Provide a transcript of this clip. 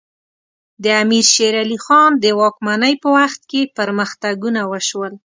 د امیر شیر علی خان د واکمنۍ په وخت کې پرمختګونه وشول.